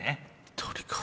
鳥か。